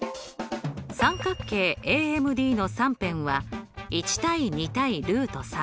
三角形ＡＭＤの３辺は１対２対。